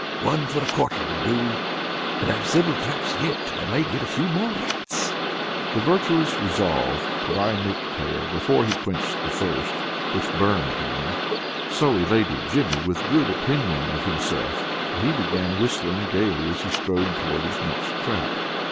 One for a quarter will do. And I've several traps yet, I may get a few more rats." The virtuous resolve to buy a milk pail before he quenched the thirst which burned him, so elated Jimmy with good opinion of himself that he began whistling gayly as he strode toward his next trap.